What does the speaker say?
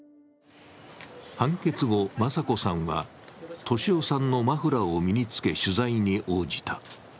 判決後、雅子さんは俊夫さんのマフラーを身に着け取材に応じた。